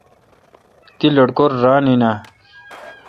تی لٹکور ران این آں؟